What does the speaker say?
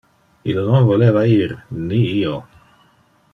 Ille non voleva ir, ni io.